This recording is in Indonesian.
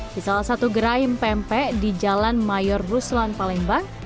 di salah satu gerai pempek di jalan mayor ruslan palembang